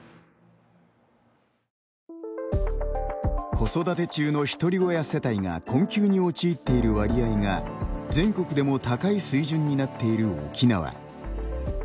子育て中のひとり親世帯が困窮に陥っている割合が全国でも高い水準になっている沖縄。